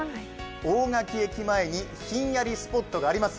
大垣駅前にひんやりスポットがあります。